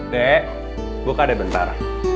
dek buka deh bentar